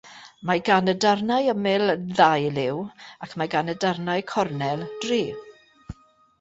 Mae gan y darnau ymyl ddau liw, ac mae gan y darnau cornel dri.